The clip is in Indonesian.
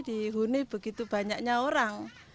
dihuni begitu banyaknya orang